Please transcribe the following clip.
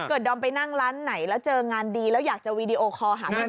เกิดดอมไปนั่งร้านไหนแล้วเจองานดีแล้วอยากจะวีดีโอคอร์หาพี่เบิร์ด